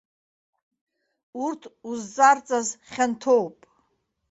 Урҭ узҵарҵаз хьанҭоуп.